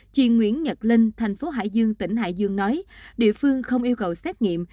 chị nguyễn nhật linh thành phố hải dương tỉnh hải dương nói địa phương không yêu cầu xét nghiệm